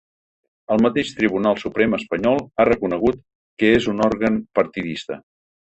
El mateix Tribunal Suprem espanyol ha reconegut que és un òrgan partidista.